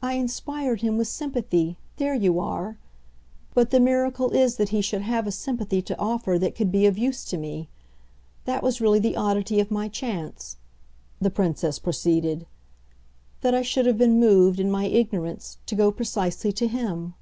"I inspired him with sympathy there you are! But the miracle is that he should have a sympathy to offer that could be of use to me. That was really the oddity of my chance," the Princess proceeded "that I should have been moved, in my ignorance, to go precisely to him."